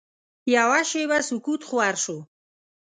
یوه شېبه سکوت خور شو.